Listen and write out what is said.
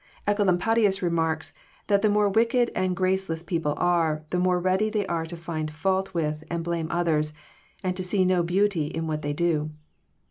Ecolampadius remarks that the more wicked and graceless people are, the more ready they are to find fault with and blame others, and to see no beauty in what they do.